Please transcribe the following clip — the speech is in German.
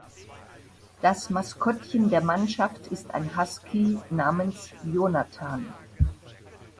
Das Maskottchen der Mannschaft ist ein Husky namens "Jonathan".